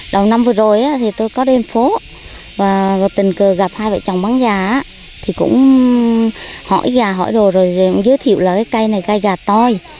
đầu năm vừa rồi thì tôi có đến phố và tình cờ gặp hai vợ chồng bán gà thì cũng hỏi gà hỏi đồ rồi giới thiệu là cái cây này cây gà toi